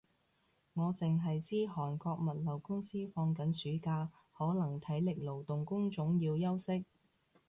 我剩係知韓國物流公司放緊暑假，可能體力勞動工種要休息